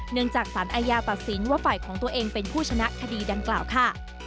เนื่องจากศาลอายาประสิทธิ์ว่าฝ่ายของตัวเองเป็นผู้ชนะคดีดันกล่าวค่ะ